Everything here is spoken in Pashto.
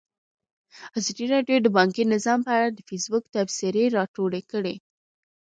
ازادي راډیو د بانکي نظام په اړه د فیسبوک تبصرې راټولې کړي.